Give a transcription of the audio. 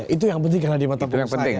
itu yang penting karena di mata perusahaan